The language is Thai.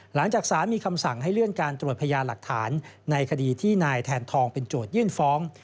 หลังจากสารมีคำสั่งให้เลื่อนการตรวจพยานหลักฐานในคดีที่นายแทนทองเป็นโจทยื่นฟ้อง